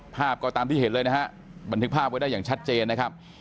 ภาพก็ตามที่เห็นเลยนะฮะบันทึกภาพไว้ได้อย่างชัดเจนนะครับ